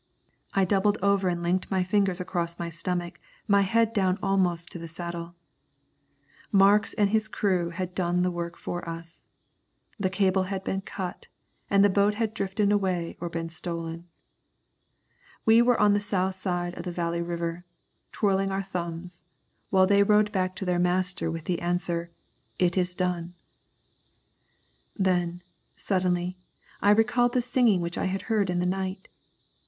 I doubled over and linked my fingers across my stomach, my head down almost to the saddle. Marks and his crew had done the work for us. The cable had been cut, and the boat had drifted away or been stolen. We were on the south side of the Valley River twirling our thumbs, while they rode back to their master with the answer, "It is done." Then, suddenly, I recalled the singing which I had heard in the night.